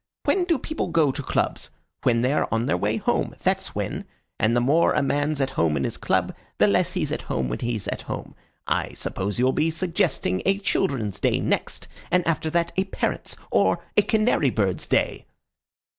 When do people go to clubs? When they are on their way home that's when; and the more a man's at home in his club, the less he's at home when he's at home. I suppose you'll be suggesting a children's day next, and after that a parrot's or a canary bird's day."